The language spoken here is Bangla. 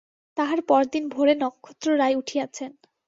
তাহার পরদিন ভোরে নক্ষত্ররায় উঠিয়াছেন।